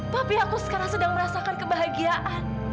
tapi aku sekarang sedang merasakan kebahagiaan